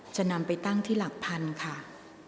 จะนำไปตั้งที่หลัก๑๐๐๐ค่ะ